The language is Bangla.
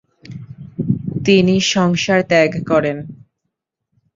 তিনি সংসার ত্যাগ করেন।